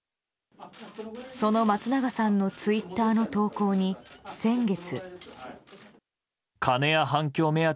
その松永さんのツイッターの投稿に先月。